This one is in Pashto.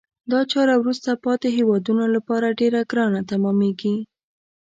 دا چاره وروسته پاتې هېوادونه لپاره ډیره ګرانه تمامیږي.